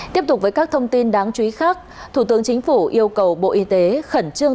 tiếp tục với các thông tin đáng chú ý khác thủ tướng chính phủ yêu cầu bộ y tế khẩn trương